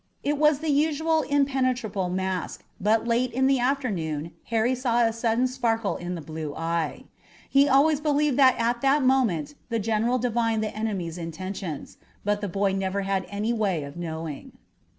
It was the usual impenetrable mask, but late in the afternoon Harry saw a sudden sparkle in the blue eye. He always believed that at that moment the general divined the enemy's intentions, but the boy never had any way of knowing.